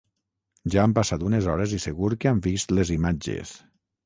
Ja han passat unes hores i segur que han vist les imatges.